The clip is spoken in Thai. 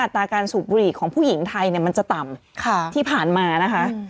ตราการสูบบุหรี่ของผู้หญิงไทยมันจะต่ำที่ผ่านมานะคะ